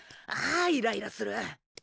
あイライラする。